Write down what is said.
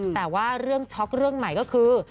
แต่ว่าเรื่องช็อกเรื่องใหม่ก็คือ